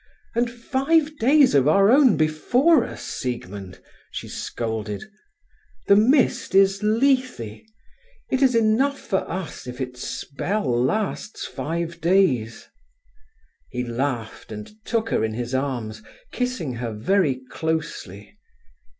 "And five days of our own before us, Siegmund!" she scolded. "The mist is Lethe. It is enough for us if its spell lasts five days." He laughed, and took her in his arms, kissing her very closely.